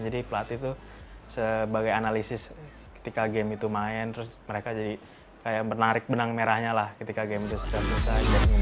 jadi pelatih itu sebagai analisis ketika game itu main terus mereka jadi kayak menarik benang merahnya lah ketika game itu serta